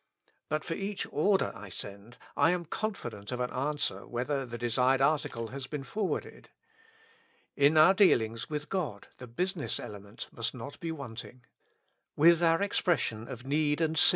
But for each order I send I am confident of an answer whether the desired article has been forwarded. In our dealings with God the business element must not be wanting. With our expression of need and s' ^.